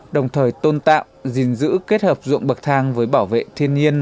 đồng thời tôn tạo gìn giữ kết hợp ruộng bậc thang với bảo vệ thiên nhiên